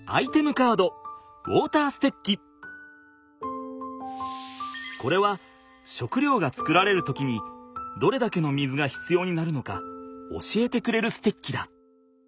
カードこれは食料が作られる時にどれだけの水が必要になるのか教えてくれるステッキだ。